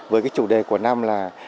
với cái chủ đề của năm là